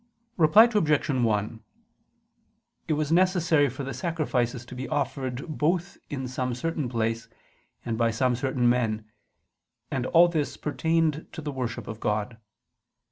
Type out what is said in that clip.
Reply Obj. 1: It was necessary for the sacrifices to be offered both in some certain place and by some certain men: and all this pertained to the worship of God.